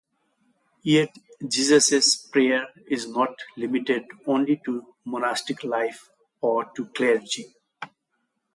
Yet the Jesus' Prayer is not limited only to monastic life or to clergy.